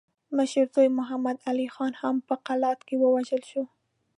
مشر زوی محمد علي خان هم په قلات کې ووژل شو.